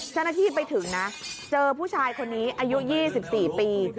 เช่นที่ไปถึงนะเจอผู้ชายคนนี้อายุยี่สิบสี่ปี